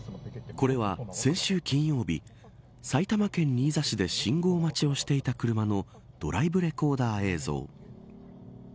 これは、先週金曜日埼玉県新座市で信号待ちをしていた車のドライブレコーダー映像。